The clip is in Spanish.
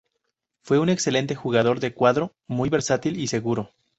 Fue un excelente jugador de cuadro, muy versátil y seguro.